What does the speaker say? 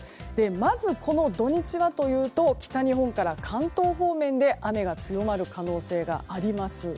まず、土日はというと北日本から関東方面で雨が強まる可能性があります。